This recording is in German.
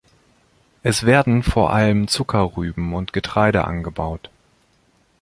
Es werden vor allem Zuckerrüben und Getreide angebaut.